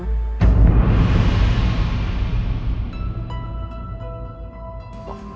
cewek maksud najwa bang